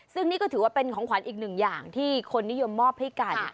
ซึ่งนี่ก็ถือว่าเป็นของขวัญอีกหนึ่งอย่างที่คนนิยมมอบให้กัน